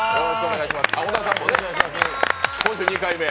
小田さんも今週２回目。